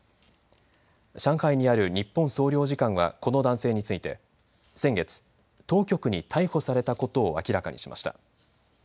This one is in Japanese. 上海にある日本総領事館はこの男性について先月、当局に逮捕されたことを明らかにしました。